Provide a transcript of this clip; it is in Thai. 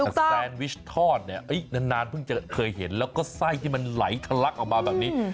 แต่แซนวิชทอดเนี่ยนานเพิ่งจะเคยเห็นแล้วก็ไส้ที่มันไหลทะลักออกมาแบบนี้